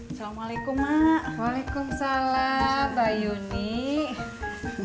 assalamualaikum waalaikumsalam bayu nih